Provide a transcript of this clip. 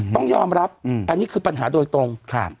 ต้องยอมรับอันนี้คือปัญหาโดยตรง